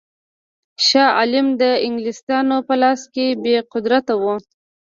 شاه عالم د انګلیسیانو په لاس کې بې قدرته وو.